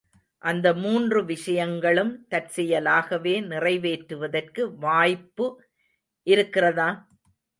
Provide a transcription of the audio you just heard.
அந்த மூன்று விஷயங்களும் தற்செயலாகவே நிறைவேறுவதற்கு வாய்ப்பு இருக்கிறதா?